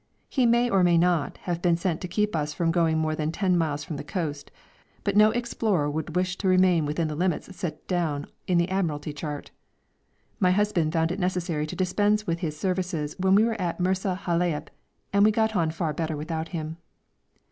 He may or may not have been sent to keep us from going more than ten miles from the coast, but no explorer would wish to remain within the limits set down in the Admiralty Chart. My husband found it necessary to dispense with his services when we were at Mersa Halaib, and we got on far better without him.